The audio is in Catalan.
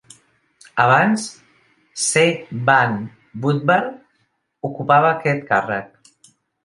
Abans, C. Vann Woodward ocupava aquest càrrec.